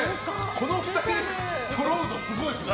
この２人そろうとすごいですね。